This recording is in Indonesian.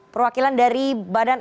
perwakilan dari badan